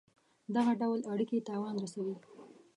دغه ډول اړېکي تاوان رسوي.